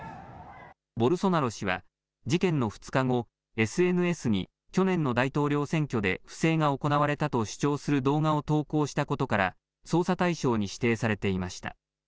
ボルソナロ氏は事件の２日後ＳＮＳに去年の大統領選挙で不正が行われたと主張する動画を投稿したことから捜査対象に指定されていました。